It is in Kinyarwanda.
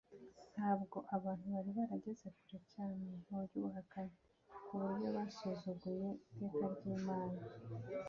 ntabwo abantu bari barageze kure cyane mu buhakanyi ku buryo basuzuguye iteka ry'imana